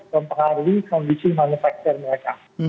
mempengaruhi kondisi manufaktur mereka